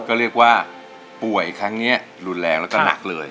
ก็เรียกว่าป่วยครั้งนี้รุนแรงแล้วก็หนักเลย